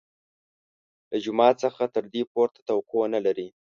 له جومات څخه تر دې پورته توقع نه لري.